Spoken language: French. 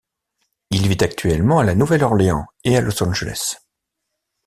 Il vit actuellement à la Nouvelle Orléans et à Los Angeles.